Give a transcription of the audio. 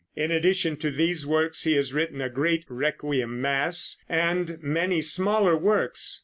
In addition to these works he has written a great "Requiem Mass," and many smaller works.